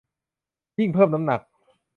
ยิ่งเพิ่มน้ำหนัก